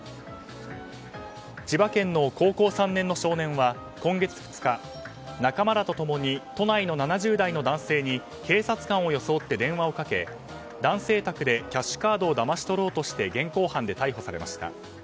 千葉県の高校３年の少年は今月２日仲間らとともに、都内の７０代の男性に警察官を装って電話をかけ男性宅でキャッシュカードをだまし取ろうとして現行犯で逮捕されました。